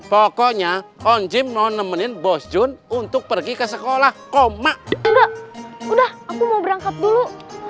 pokoknya onjim nonemenin bos jun untuk pergi ke sekolah koma udah aku mau berangkat dulu